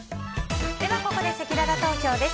ここでせきらら投票です。